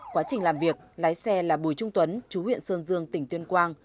quá trình làm việc lái xe là bùi trung tuấn chú huyện sơn dương tỉnh tuyên quang